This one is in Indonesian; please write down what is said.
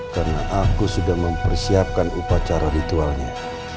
karena aku sudah mempersiapkan upacara ritualnya